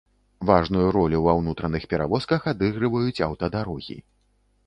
Важную ролю ва ўнутраных перавозках адыгрываюць аўтадарогі.